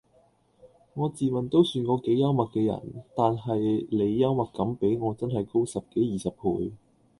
我自問都算個幾幽默既人但係你幽默感比我真係高十幾二十倍